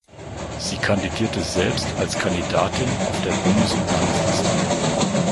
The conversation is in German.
Sie kandidierte selbst als Kandidatin auf der Bundes- und Landesliste.